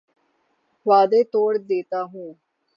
وعدے توڑ دیتا ہوں